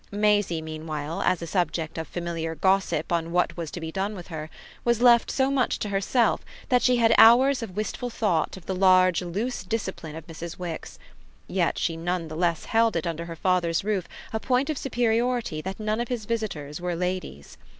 Maisie meanwhile, as a subject of familiar gossip on what was to be done with her, was left so much to herself that she had hours of wistful thought of the large loose discipline of Mrs. Wix; yet she none the less held it under her father's roof a point of superiority that none of his visitors were ladies.